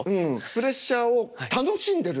プレッシャーを楽しんでる。